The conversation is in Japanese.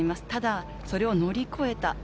ただ、それを乗り越えた。